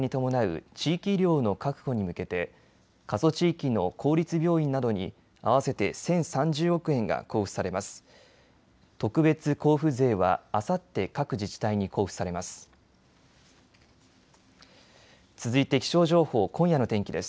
特別交付税はあさって各自治体に交付されます。